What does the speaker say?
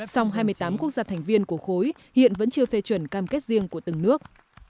song hai mươi tám quốc gia thành viên của khối hiện vẫn chưa phê chuẩn cam kết riêng của từng nước